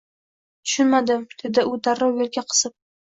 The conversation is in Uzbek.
— Tushunmadim? – dedi u darrov yelka qisib.